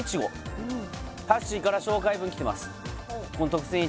はっしーから紹介文きてます